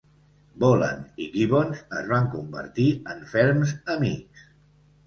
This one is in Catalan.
Bolland i Gibbons es van convertir en ferms amics.